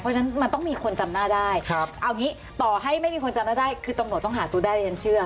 เพราะฉะนั้นมันต้องมีคนจำหน้าได้เอางี้ต่อให้ไม่มีคนจำหน้าได้คือตำรวจต้องหาตัวได้ฉันเชื่อ